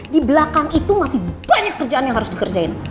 di belakang itu masih banyak kerjaan yang harus dikerjain